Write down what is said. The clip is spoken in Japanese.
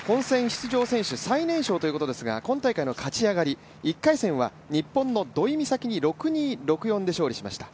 出場選手最年少ということですが今大会の勝ち上がり１回戦は日本の土居美咲に６−２、６−４で勝利しました。